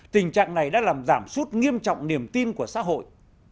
tình trạng này đã làm giảm sút nghiêm trọng niềm tin của xã hội